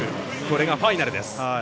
これがファイナルです。